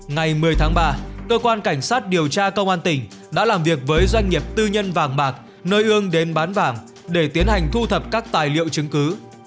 ngày một mươi tháng ba cơ quan cảnh sát điều tra công an tỉnh đã làm việc với doanh nghiệp tư nhân vàng bạc nơi ương đến bán vàng để tiến hành thu thập các tài liệu chứng cứ